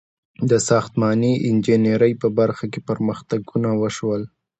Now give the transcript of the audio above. • د ساختماني انجینرۍ په برخه کې پرمختګونه وشول.